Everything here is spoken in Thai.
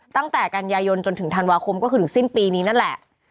ตั้งแต่กันยายนจนถึงธันวาคมก็คือถึงสิ้นปีนี้นั่นแหละ